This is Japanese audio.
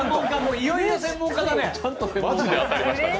いよいよ専門家だね。